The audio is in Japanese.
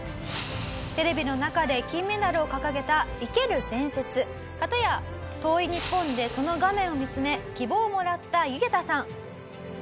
「テレビの中で金メダルを掲げた生ける伝説」「片や遠い日本でその画面を見つめ希望をもらったユゲタさん」